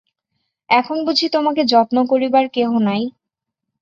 এখানে বুঝি তােমাকে যত্ন করিবার কেহ নাই!